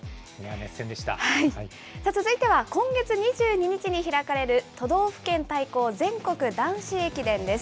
続いては今月２２日に開かれる、都道府県対抗全国男子駅伝です。